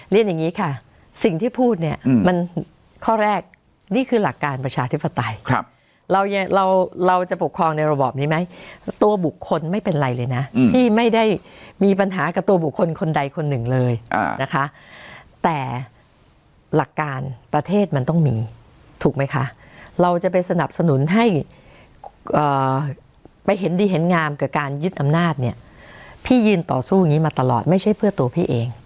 เรียนอย่างนี้ค่ะสิ่งที่พูดเนี่ยมันข้อแรกนี่คือหลักการประชาธิปไตยเราเราจะปกครองในระบอบนี้ไหมตัวบุคคลไม่เป็นไรเลยนะพี่ไม่ได้มีปัญหากับตัวบุคคลคนใดคนหนึ่งเลยนะคะแต่หลักการประเทศมันต้องมีถูกไหมคะเราจะไปสนับสนุนให้ไปเห็นดีเห็นงามกับการยึดอำนาจเนี่ยพี่ยืนต่อสู้อย่างนี้มาตลอดไม่ใช่เพื่อตัวพี่เอง